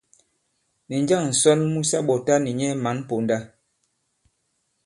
Nì njâŋ ǹsɔn mu sa ɓɔ̀ta nì nyɛ mǎn ponda?